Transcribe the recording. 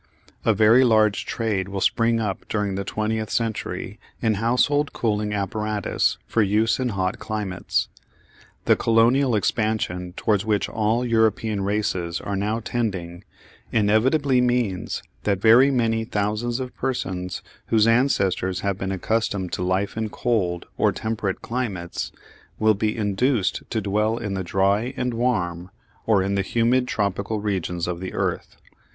A very large trade will spring up during the twentieth century in household cooling apparatus for use in hot climates. The colonial expansion towards which all European races are now tending inevitably means that very many thousands of persons whose ancestors have been accustomed to life in cold or temperate climates, will be induced to dwell in the dry and warm, or in the humid tropical regions of the earth.